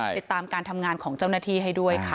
ติดตามการทำงานของเจ้าหน้าที่ให้ด้วยค่ะ